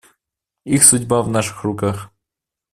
Их судьба в наших руках.